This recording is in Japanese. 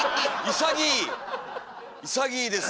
潔いです。